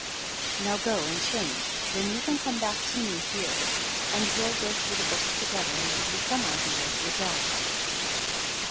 Now go and change, then you can come back to me here, and we'll go through the books together and give you some idea of your job."